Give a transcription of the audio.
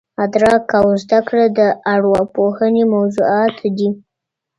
ادراک او زده کړه د ارواپوهني موضوعات دي.